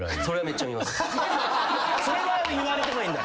それは言われてもいいんだ。